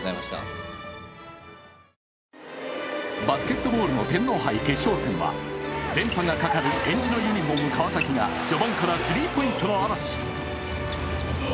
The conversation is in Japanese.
バスケットボールの天皇杯決勝戦は、連覇がかかるえんじのユニフォーム、川崎が序盤からスリーポイントの嵐。